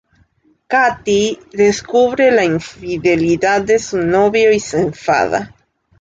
Cathy descubre la infidelidad de su novio y se enfada.